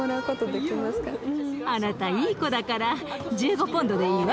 あなたいい子だから１５ポンドでいいわ。